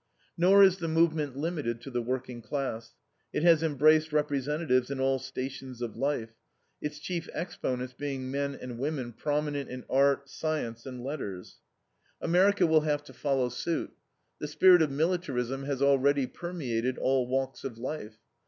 Nor is the movement limited to the working class; it has embraced representatives in all stations of life, its chief exponents being men and women prominent in art, science, and letters. America will have to follow suit. The spirit of militarism has already permeated all walks of life.